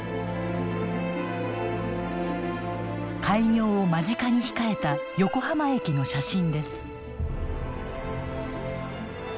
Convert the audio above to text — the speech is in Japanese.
開業を間近に控えた横浜駅の写真です。